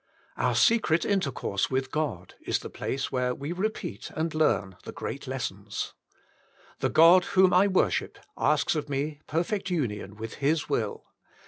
8. Our secret intercourse with God is the place where we repeat and learn the great lessons. ... The God whom I worship asks of me perfect union with His will.